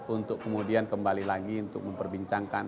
untuk kemudian kembali lagi untuk memperbincangkan